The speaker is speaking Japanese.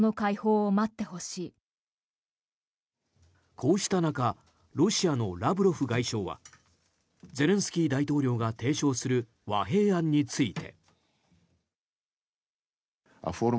こうした中ロシアのラブロフ外相はゼレンスキー大統領が提唱する和平案について。